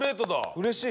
「うれしい！」